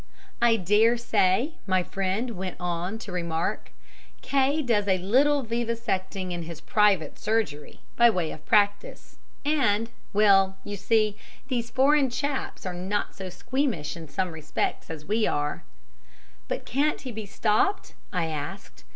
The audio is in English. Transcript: "'I dare say,' my friend went on to remark, 'K does a little vivisecting in his private surgery, by way of practice, and well, you see, these foreign chaps are not so squeamish in some respects as we are.' "'But can't he be stopped?' I asked.